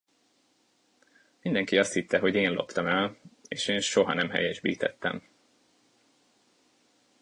Mindenki azt hitte, hogy én loptam el, és én soha nem helyesbítettem.